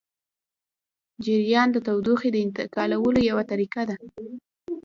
جریان د تودوخې د انتقالولو یوه طریقه ده.